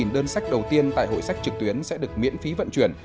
một mươi đơn sách đầu tiên tại hội sách trực tuyến sẽ được miễn phí vận chuyển